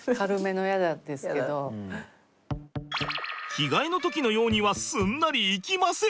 着替えの時のようにはすんなりいきません！